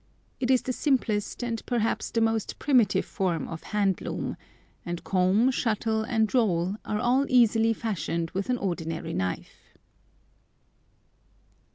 It is the simplest and perhaps the most primitive form of hand loom, and comb, shuttle, and roll, are all easily fashioned with an ordinary knife.